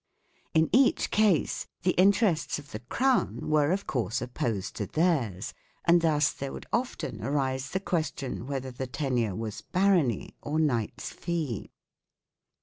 In each case the interests of the Crown were of course opposed to theirs, and thus there would often arise the question whether the tenure was " barony " or " knight's fee